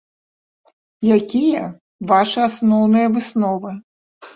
Якія вашы асноўныя высновы?